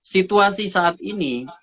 situasi saat ini